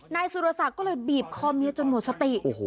นายสุรศักดิ์ก็เลยบีบคอเมียจนหมดสติ